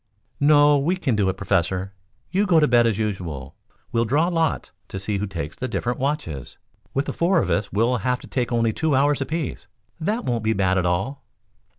"No; we can do it, Professor. You go to bed as usual. We'll draw lots to see who takes the different watches. With the four of us we'll have to take only two hours apiece. That won't be bad at all."